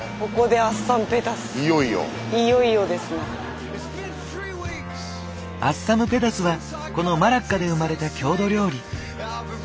アッサムペダスはこのマラッカで生まれた郷土料理。